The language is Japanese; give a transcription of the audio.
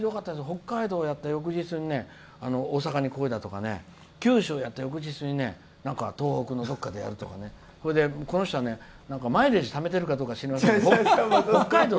北海道をやった翌日に大阪に来いだとか九州やった翌日に東北のどこかでやるとかそれでこの人はマイレージためてるか知りませんけど北海道